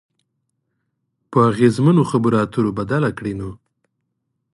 په اغیزمنو خبرو اترو بدله کړئ نو